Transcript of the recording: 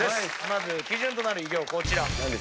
まず基準となる偉業こちら。